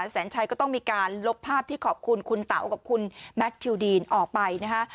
แสนชัยก็ต้องมีการลบภาพที่ขอบคุณคุณเต๋ากับคุณแมททิวดีนออกไปนะฮะ